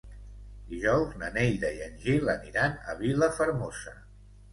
Dijous na Neida i en Gil aniran a Vilafermosa.